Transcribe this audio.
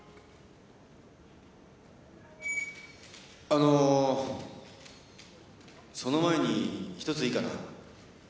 あのその前に１ついいかな。